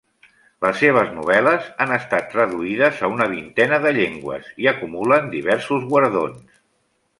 Les seves novel·les han estat traduïdes a una vintena de llengües i acumulen diversos guardons.